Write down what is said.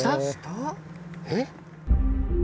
えっ？